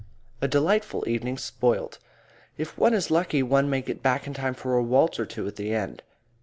A delightful evening spoilt. If one is lucky one may get back in time for a waltz or two at the end.